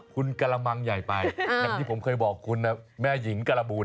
คุณกระมังใหญ่ไปอย่างที่ผมเคยบอกคุณแม่หญิงการบูล